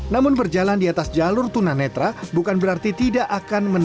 namun berjalan di atas jalur tunanetra suhardi tidak bisa berhenti